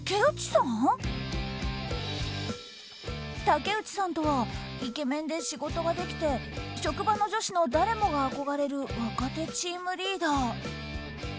タケウチさんとはイケメンで仕事ができて職場の女子の誰もが憧れる若手チームリーダー。